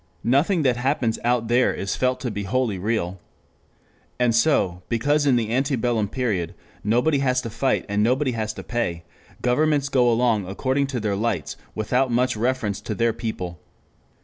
Nothing that happens out there is felt to be wholly real. And so, because in the ante bellum period, nobody has to fight and nobody has to pay, governments go along according to their lights without much reference to their people.